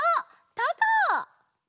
たこ！